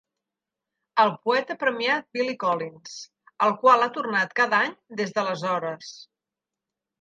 El poeta premiat Billy Collins, el qual ha tornat cada any des d'aleshores.